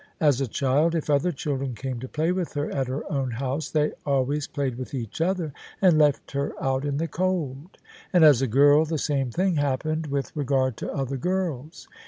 As a child, if other children came to play with her at her own house, they always played with each other and left her out in the cold: and as a girl the same thing happened with regard to other girls.